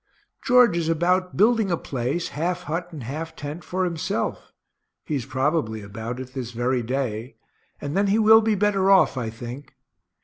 George is about building a place, half hut and half tent, for himself, (he is probably about it this very day,) and then he will be better off, I think.